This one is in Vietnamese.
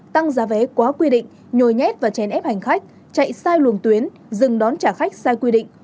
tăng giá vé quá quy định nhồi nhét và chèn ép hành khách chạy sai luồng tuyến dừng đón trả khách sai quy định